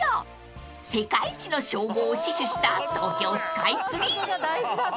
［世界一の称号を死守した東京スカイツリー］